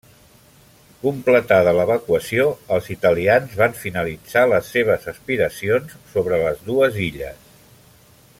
Completada l'evacuació, els italians van finalitzar les seves aspiracions sobre les dues illes.